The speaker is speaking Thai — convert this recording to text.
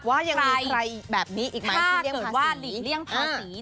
ว่ายังมีใครแบบนี้อีกไหมถ้าเกิดว่าหลีกเลี่ยงภาษี